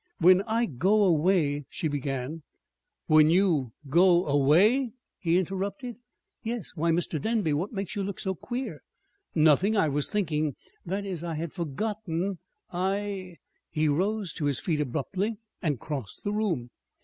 "When I go away " she began. "When you go away!" he interrupted. "Yes. Why, Mr. Denby, what makes you look so queer?" "Nothing. I was thinking that is, I had forgotten I " He rose to his feet abruptly, and crossed the room.